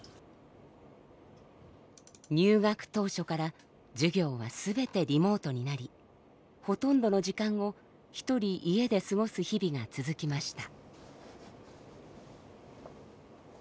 入学当初から授業は全てリモートになりほとんどの時間をひとり家で過ごす日々が続きました。